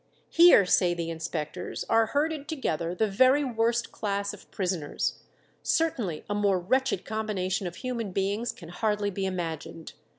"Here," say the inspectors, "are herded together the very worst class of prisoners; certainly a more wretched combination of human beings can hardly be imagined.